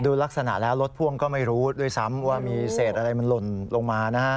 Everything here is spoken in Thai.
ลักษณะแล้วรถพ่วงก็ไม่รู้ด้วยซ้ำว่ามีเศษอะไรมันหล่นลงมานะฮะ